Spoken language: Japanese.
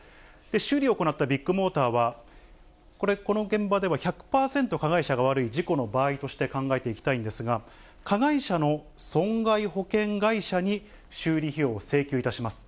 修理を行ったビッグモーターはこれ、この現場では１００％加害者が悪い事故の場合として考えていきたいんですが、加害者の損害保険会社に修理費用を請求いたします。